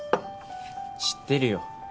知ってるよ。